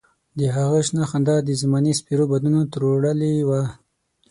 د هغه شنه خندا د زمانې سپېرو بادونو تروړلې وه.